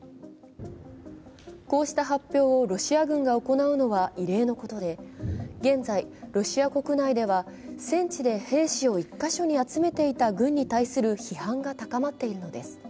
こうした発表をロシア軍が行うのは、異例のことで、現在、ロシア国内では、戦地で兵士を１か所に集めていた軍に対する批判が高まっているのです。